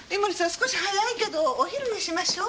少し早いけどお昼にしましょう。